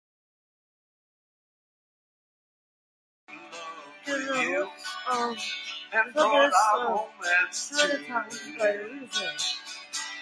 The box at right gives a list of sublists of Chinatowns by region.